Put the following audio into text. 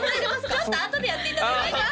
ちょっとあとでやっていただいていいですか？